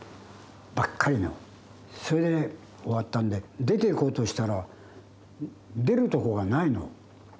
それで終わったんで出ていこうとしたら出るとこがないの。